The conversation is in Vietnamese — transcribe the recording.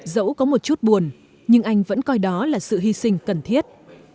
dẫu có một chút buồn nhưng anh vẫn coi đó là sự hy sinh cần thiết